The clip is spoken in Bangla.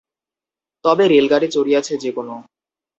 তবে রেলগাড়ি চড়িয়াছে যে কোন!